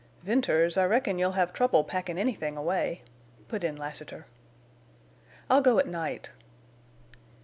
"Venters, I reckon you'll have trouble packin' anythin' away," put in Lassiter. "I'll go at night."